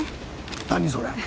何それ？